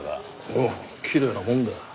おおきれいなもんだ。